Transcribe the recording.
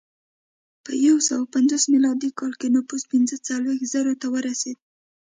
په یو سوه پنځوس میلادي کال کې نفوس پنځه څلوېښت زرو ته ورسېد